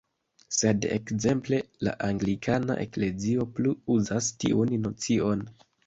Sed ekzemple la anglikana eklezio plu uzas tiun nocion.